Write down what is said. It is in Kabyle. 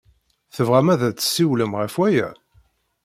Tebɣam ad d-tessiwlem ɣef waya?